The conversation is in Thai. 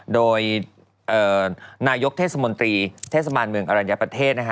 โดยนายกเทศมนตรีเทศบาลเมืองอรัญญประเทศ